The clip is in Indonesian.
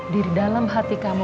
di dalam hati kamu